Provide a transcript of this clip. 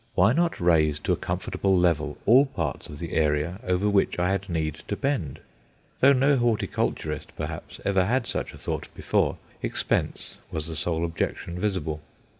Why not raise to a comfortable level all parts of the area over which I had need to bend? Though no horticulturist, perhaps, ever had such a thought before, expense was the sole objection visible.